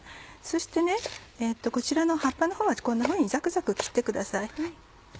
そしてこちらの葉っぱのほうはこんなふうにザクザク切ってください。